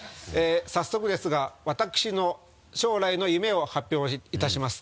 早速ですが私の将来の夢を発表いたします。